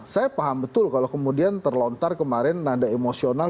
saya paham betul kalau kemudian terlontar kemarin nada emosional